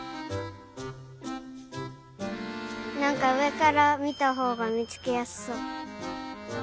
なんかうえからみたほうがみつけやすそう。